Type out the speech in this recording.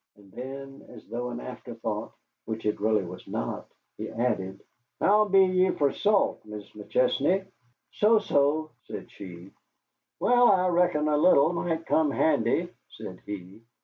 And then, as though an afterthought (which it really was not), he added, "How be ye for salt, Mis' McChesney?" "So so," said she. "Wal, I reckon a little might come handy," said he.